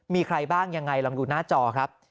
มีใครบ้างยังไงลองดูหน้าจอครับ